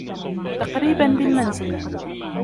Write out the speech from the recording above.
تقريبا بالمنزل